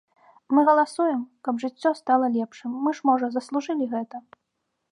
Мы галасуем, каб жыццё стала лепшым, мы ж, можа, заслужылі гэта?